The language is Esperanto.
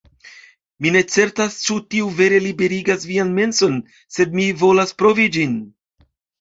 Mi ne certas ĉu tiu vere liberigas vian menson, sed mi volas provi ĝin